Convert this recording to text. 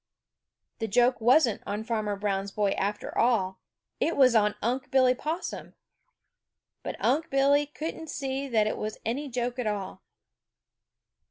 The joke wasn't on Farmer Brown's boy, after all; it was on Unc' Billy Possum. But Unc' Billy couldn't see that it was any joke at all.